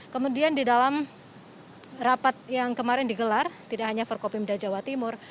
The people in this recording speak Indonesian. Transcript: kemudian di dalam rapat yang kemarin digelar tidak hanya forkopimda jawa timur